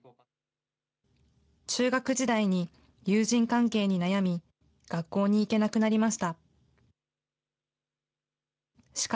中学時代に友人関係に悩み、学校に行けなくなりました。